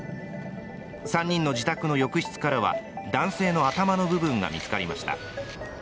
３人の自宅の浴室からは男性の頭の部分が見つかりました。